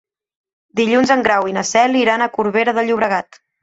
Dilluns en Grau i na Cel iran a Corbera de Llobregat.